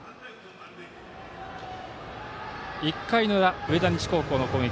１回裏、上田西高校の攻撃。